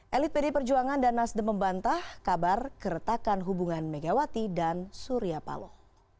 elit pd perjuangan dan nasdem membantah kabar keretakan hubungan megawati dan surya paloh